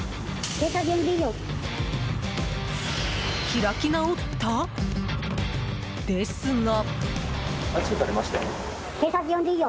開き直った？ですが。